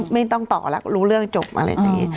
ไม่ต้องต่อแล้วรู้เรื่องจบอะไรอย่างนี้